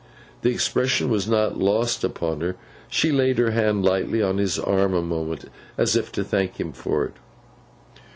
The expression was not lost upon her; she laid her hand lightly on his arm a moment as if to thank him for it.